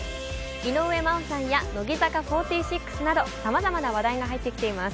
井上真央さんや乃木坂４６などさまざまな話題が入ってきています。